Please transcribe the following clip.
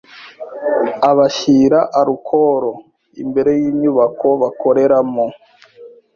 abashyira arukoro imbere y’inyubako bakoreramo